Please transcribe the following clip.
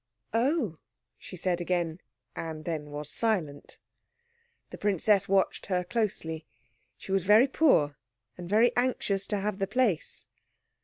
"Oh," she said again, and then was silent. The princess watched her closely. She was very poor, and very anxious to have the place.